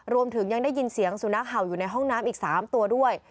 รวมถึงยังได้ยินเสียงสุนัขเห่าอยู่ในห้องน้ำอีก๓ตัวด้วย